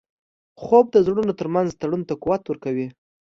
خوب د زړونو ترمنځ تړون ته قوت ورکوي